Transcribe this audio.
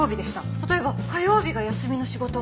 例えば火曜日が休みの仕事。